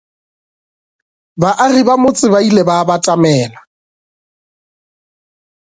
Baagi ba motse ba ile ba batamela.